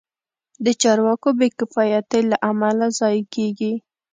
د چارواکو بې کفایتۍ له امله ضایع کېږي.